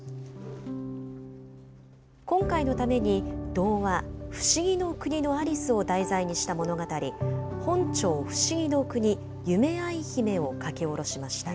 今回のために童話、不思議の国のアリスを題材にした物語、本朝不思議之國夢逢姫を書き下ろしました。